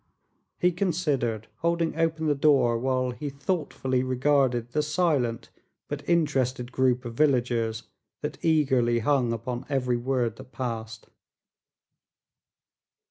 He considered, holding open the door while he thoughtfully regarded the silent but interested group of villagers that eagerly hung upon every word that passed.